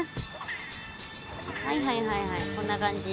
はいはいはいはいこんな感じ。